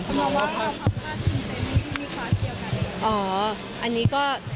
มองว่าเขาพลาดถึงเจนี่ที่มีความเชี่ยวกันเลย